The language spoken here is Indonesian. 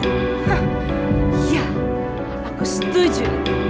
hah iya aku setuju